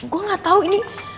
gue gak tau ini